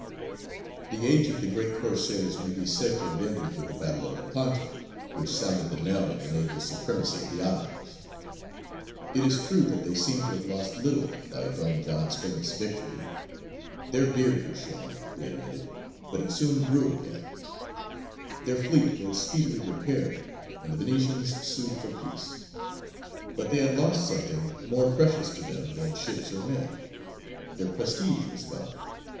The age of the great Corsairs may be said to have ended with the battle of Lepanto, which sounded the knell of the naval supremacy of the Ottomans. It is true that they seemed to have lost little by Don John's famous victory; their beard was shorn, they admitted, but it soon grew again: their fleet was speedily repaired, and the Venetians sued for peace. But they had lost something more precious to them than ships or men: their prestige was gone.